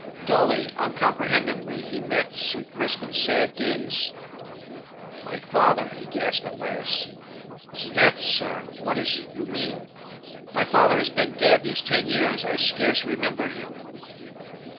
Dully, uncomprehendingly he met Sir Crispin's sad gaze. "My father," he gasped at last. "'Sdeath, sir, what is it you mean? My father has been dead these ten years. I scarce remember him."